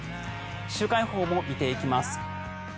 週間予報も見ていきます。